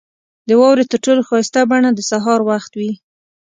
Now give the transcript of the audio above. • د واورې تر ټولو ښایسته بڼه د سهار وخت وي.